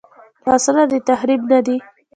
لاسونه د تخریب نه دي